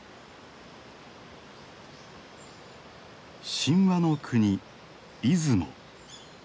神話の国出雲。